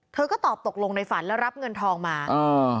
เธอก็ตอบตกลงในฝันแล้วรับเงินทองมาอ่า